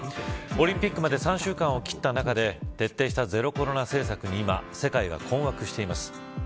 オリンピックまで３週間を切った中で徹底したゼロコロナ政策に今世界が困惑しています。